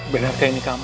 benarkah ini kamu